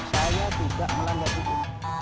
saya tidak melanggap itu